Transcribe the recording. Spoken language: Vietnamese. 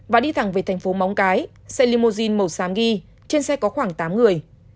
và đi thẳng về thành phố móng cái xe limousine màu xám ghi trên xe có khoảng tám người